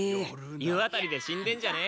湯あたりで死んでんじゃね？